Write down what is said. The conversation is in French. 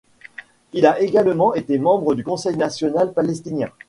Il a également été membre du Conseil national palestinien.